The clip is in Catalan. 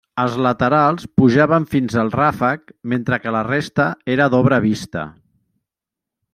Els laterals pujaven fins al ràfec, mentre que la resta era d'obra vista.